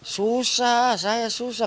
susah saya susah